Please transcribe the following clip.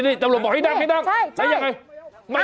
นี่ตำรวจบอกให้ดังนั้นยังไง